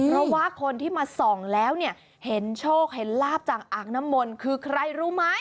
เพราะว่าคนที่มาส่องแล้วเนี่ยเห็นโชคเห็นลาบจากอ่างน้ำมนต์คือใครรู้ไหม